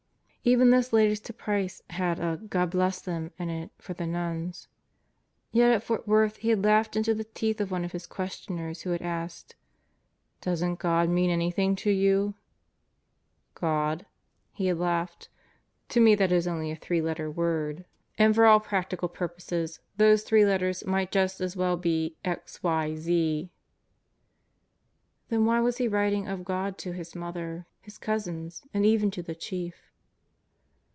Even this latest to Price had a "God bless them" in it for the nuns. Yet at Fort Worth he had laughed into the teeth of one of his questioners who had asked: "Doesn't God mean anything to you?" "God?" he had laughed. "To me that is only a three 20 God Goes to Murderer's Row letter word. And for all practical purposes those three letters might just as well be x y zl" Then why was he writing of God to his mother, his cousins, and even to the Chief?